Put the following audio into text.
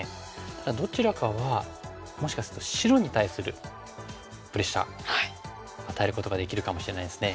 ただどちらかはもしかすると白に対するプレッシャー与えることができるかもしれないですね。